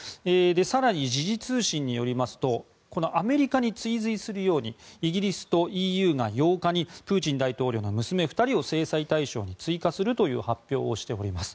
更に、時事通信によりますとアメリカに追随するようにイギリスとＥＵが８日にプーチン大統領の娘２人を制裁対象に追加するという発表をしております。